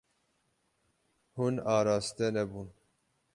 Hûn araste nebûn.